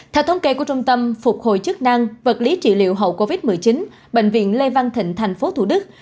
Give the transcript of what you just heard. theo thống kê của trung tâm phục hồi chức năng vật lý trị liệu hậu covid một mươi chín bệnh viện lê văn thịnh tp thủ đức